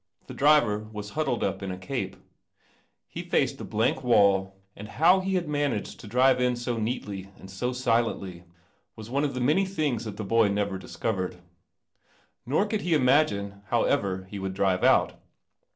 The driver was huddled up in a cape. He faced the blank wall, and how he had ma: i rive in neatly and ^<> silently many things that the DOV never • creT N uld he imagine how ever he would drive out.